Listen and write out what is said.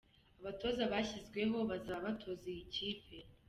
Abatoza bashyizweho bazaba batoza iyi kipe.